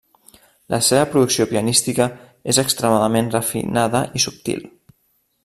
La seva producció pianística és extremadament refinada i subtil.